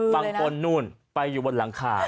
บางคนนู่นไปอยู่บนหลังคา